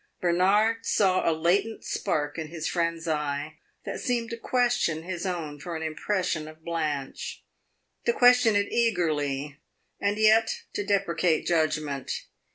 Bernard saw a latent spark in his friend's eye that seemed to question his own for an impression of Blanche to question it eagerly, and yet to deprecate judgment.